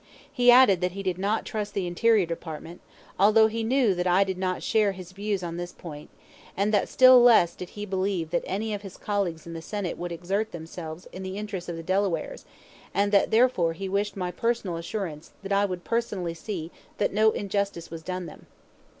He added that he did not trust the Interior Department although he knew that I did not share his views on this point and that still less did he believe that any of his colleagues in the Senate would exert themselves in the interests of the Delawares, and that therefore he wished my personal assurance that I would personally see that no injustice was done them.